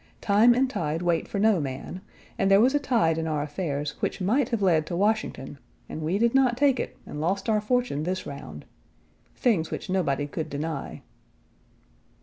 Time and tide wait for no man, and there was a tide in our affairs which might have led to Washington, and we did not take it and lost our fortune this round. Things which nobody could deny.